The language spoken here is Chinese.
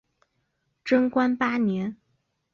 贞观八年。